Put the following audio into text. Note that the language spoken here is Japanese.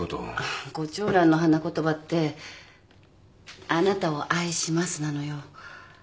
あっコチョウランの花言葉って「あなたを愛します」なのよ。